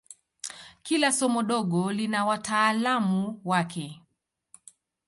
Kila somo dogo lina wataalamu wake.